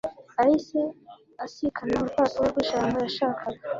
yahise asikana urupapuro rwijambo yashakaga